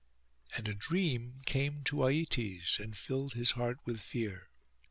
And a dream came to Aietes, and filled his heart with fear.